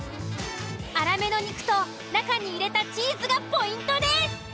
粗めの肉と中に入れたチーズがポイントです。